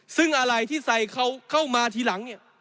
ซึ่งอะไหล่ที่ใส่เข้ามาทีหลัง